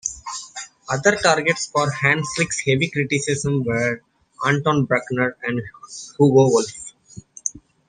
Other targets for Hanslick's heavy criticism were Anton Bruckner and Hugo Wolf.